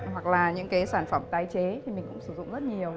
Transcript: hoặc là những cái sản phẩm tái chế thì mình cũng sử dụng rất nhiều